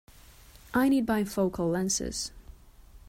I need bifocal lenses.